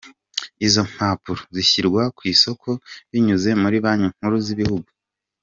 Izo mpapuro zishyirwa ku isoko binyuze muri Banki Nkuru z’Ibihugu.